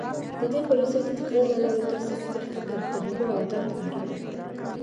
د دې پروسې د تکرار له لارې تاسې خپل فکر پر يوه عادت اړوئ.